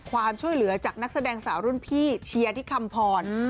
ความช่วยเหลือจากนักแสดงสาวรุ่นพี่เชียร์ที่คำพร